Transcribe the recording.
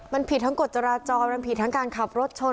มันผิดทั้งกฎจราจรมันผิดทั้งการขับรถชน